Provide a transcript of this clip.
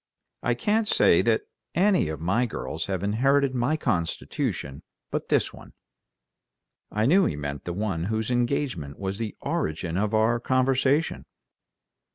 I can't say that any of my girls have inherited my constitution but this one." I knew he meant the one whose engagement was the origin of our conversation.